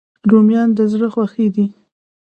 رومیان د زړه خوښي دي